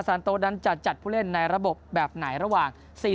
ซันโตต้องจัดผู้เล่นในระบบแบบไหนระหว่าง